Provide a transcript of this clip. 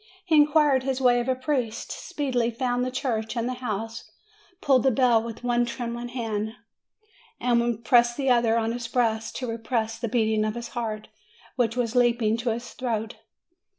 He inquired his way of a priest, speedily found the church and the house, pulled the bell with one trembling hand, and pressed the other on his breast to repress the beating of his heart, which was leaping into his throat.